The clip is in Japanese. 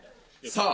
さあ。